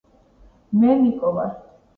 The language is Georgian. მე ნიკო ვარ